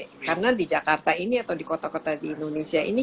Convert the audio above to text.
karena di jakarta ini atau di kota kota di indonesia ini